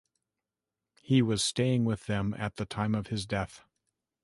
He was staying with them at the time of his death.